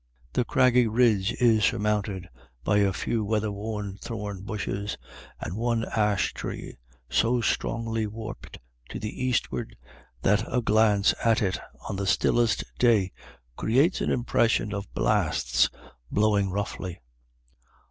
The craggy ridge is surmounted by a few weather worn thorn bushes, and one ash tree, so strongly warped to the eastward that a glance at it on the stillest day creates an impression of blasts blowing roughly.